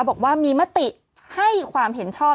บอกว่ามีมติให้ความเห็นชอบ